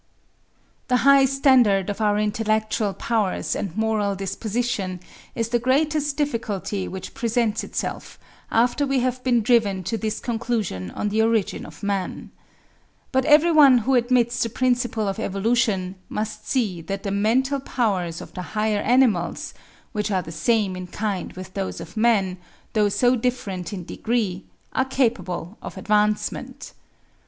The high standard of our intellectual powers and moral disposition is the greatest difficulty which presents itself, after we have been driven to this conclusion on the origin of man. But every one who admits the principle of evolution, must see that the mental powers of the higher animals, which are the same in kind with those of man, though so different in degree, are capable of advancement.